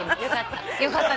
よかった。